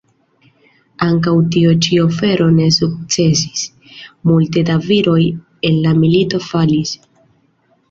Ankaŭ tiu ĉi ofero ne sukcesis, multe da viroj en la milito falis.